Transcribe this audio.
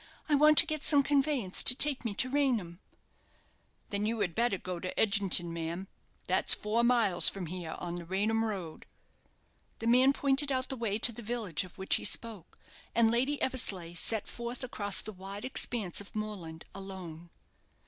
"I want to get some conveyance to take me to Raynham." "Then you had better go to Edgington, ma'am. That's four miles from here on t' Raynham ro ad." The man pointed out the way to the village of which he spoke; and Lady Eversleigh set forth across the wide expanse of moorland alone.